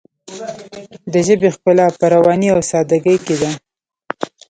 د ژبې ښکلا په روانۍ او ساده ګۍ کې ده.